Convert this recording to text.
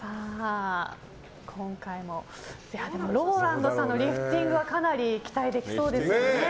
ＲＯＬＡＮＤさんのリフティングはかなり期待できそうですよね。